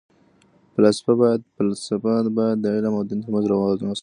فلاسفه باید د علم او دین ترمنځ توازن وساتي.